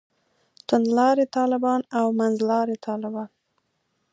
توندلاري طالبان او منځلاري طالبان.